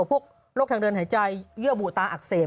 พวกโรคทางเดินหายใจเยื่อบุตาอักเสบ